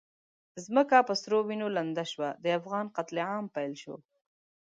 ځمکه په سرو وینو لنده شوه، د افغان قتل عام پیل شو.